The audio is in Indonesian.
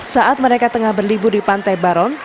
saat mereka tengah berlibur di pantai baron